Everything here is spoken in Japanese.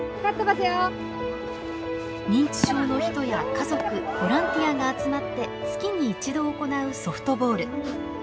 認知症の人や家族ボランティアが集まって月に一度行うソフトボール。